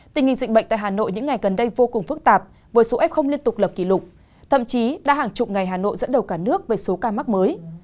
tình hình dịch bệnh tại hà nội những ngày gần đây vô cùng phức tạp với số f liên tục lập kỷ lục thậm chí đã hàng chục ngày hà nội dẫn đầu cả nước về số ca mắc mới